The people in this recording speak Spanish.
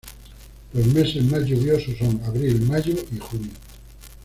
Los meses más lluviosos son abril, mayo y junio.